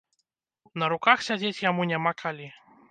На руках сядзець яму няма калі.